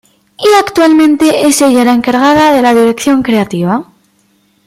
Y actualmente es ella la encargada de la dirección creativa.